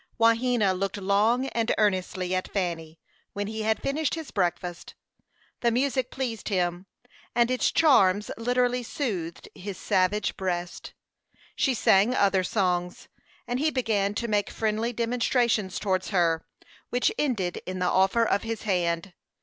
Wahena looked long and earnestly at Fanny, when he had finished his breakfast. The music pleased him, and its charms literally soothed his savage breast. She sang other songs, and he began to make friendly demonstrations towards her, which ended in the offer of his hand.